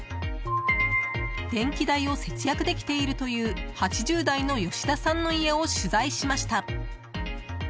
電気代を節約できているという８０代の吉田さんの家を取材しました。